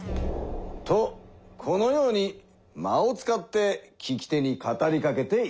とこのように間を使って聞き手に語りかけていたのだ。